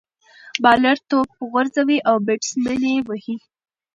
بالر توپ غورځوي، او بيټسمېن ئې وهي.